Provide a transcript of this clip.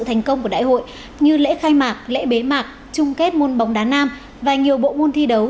thành công của đại hội như lễ khai mạc lễ bế mạc chung kết môn bóng đá nam và nhiều bộ môn thi đấu